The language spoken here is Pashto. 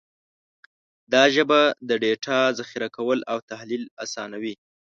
دا ژبه د ډیټا ذخیره کول او تحلیل اسانوي.